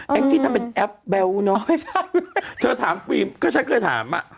แหละจิ๊ดทำเป็นแอปแบวนะฮึ่มเธอถามฟิล์มก็ชัดคือถามนะ